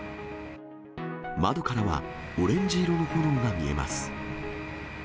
窓からはオレンジ色の炎が見えます。